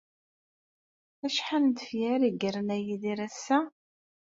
Acḥal n tefyar ay yerna Yidir ass-a?